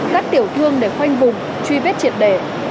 các tiểu thương để khoanh vùng truy vết triệt đề